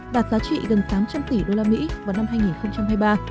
đạt giá trị gần tám trăm linh tỷ usd vào năm hai nghìn hai mươi ba